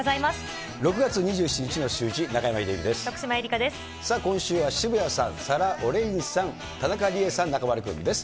６月２７日のシューイチ、中山秀征です。